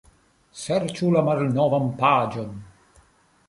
Serĉu la malnovan paĝon.